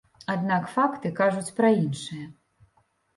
Аднак факты кажуць пра іншае.